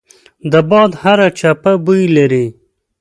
د باد هره چپه بوی لري